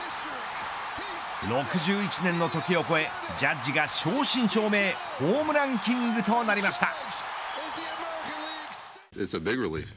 ６１年の時を超えジャッジが正真正銘ホームランキングとなりました。